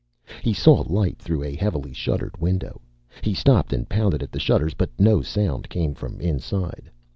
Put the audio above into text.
He saw light through a heavily shuttered window. He stopped and pounded at the shutters, but no sound came from inside.